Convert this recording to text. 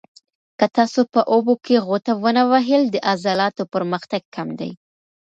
که تاسو په اوبو کې غوټه ونه وهل، د عضلاتو پرمختګ کم دی.